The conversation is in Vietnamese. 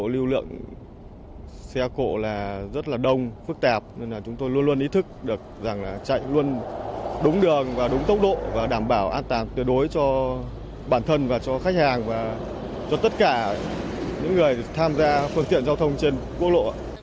lưu lượng xe cổ là rất là đông phức tạp nên là chúng tôi luôn luôn ý thức được rằng là chạy luôn đúng đường và đúng tốc độ và đảm bảo an toàn tuyệt đối cho bản thân và cho khách hàng và cho tất cả những người tham gia phương tiện giao thông trên quốc lộ